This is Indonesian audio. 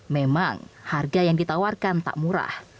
memang harga yang ditawarkan tak murah